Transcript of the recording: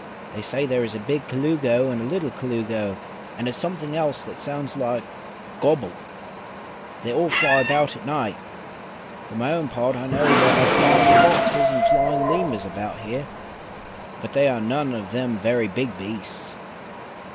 They say there is a Big Colugo and a Little Colugo, and a something else that sounds like gobble. They all fly about at night. For my own part, I know there are flying foxes and flying lemurs about here, but they are none of them very big beasts."